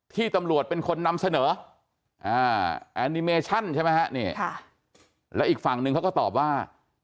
ที่ตำรวจเป็นคนนำเสนอแอนิเมชั่นใช่ไหมฮะนี่แล้วอีกฝั่งนึงเขาก็ตอบว่า